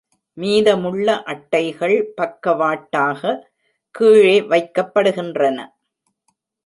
மீதமுள்ள அட்டைகள் பக்க வாட்டாக கீழே வைக்கப்படுகின்றன.